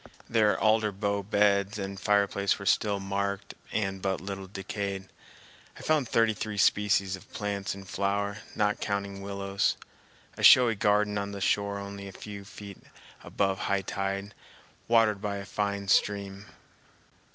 Their alder bough beds and fireplace were still marked and but little decayed. I found thirty three species of plants in flower, not counting willows—a showy garden on the shore only a few feet above high tide, watered by a fine stream.